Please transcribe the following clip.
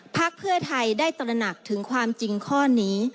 พักเพื่อไทยได้ตระหนักถึงความจริงข้อนี้